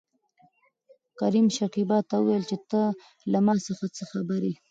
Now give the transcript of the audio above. کريم شکيبا ته وويل ته له ما څخه څه خبره يې؟